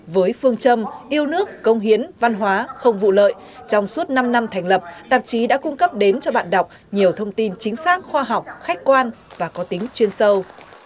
với phương châm yêu nước công hiến văn hóa không vụ lợi trong suốt năm năm thành lập tạp chí đã cung cấp đến cho bạn đọc nhiều thông tin chính xác khoa học khách quan và có tính chuyên sâu